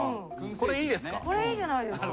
いいじゃないですか。